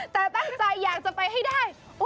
แต่ตั้งใจอยากจะไปให้ได้